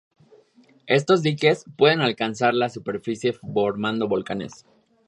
Estos diques pueden alcazar la superficie formando volcanes.